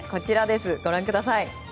ご覧ください。